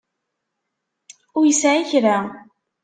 Ur yesɛi kra.